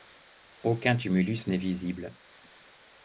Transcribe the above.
Aucun tumulus n'est visible.